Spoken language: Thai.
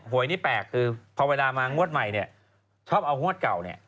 วยนี่แปลกคือพอเวลามางวดใหม่เนี่ยชอบเอางวดเก่าเนี่ย